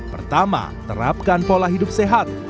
pertama terapkan pola hidup sehat